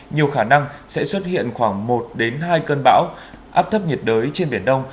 nhiều khả năng sẽ xuất hiện khoảng một hai cơn bão áp thấp nhiệt đới trên biển đông